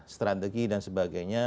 strategi dan sebagainya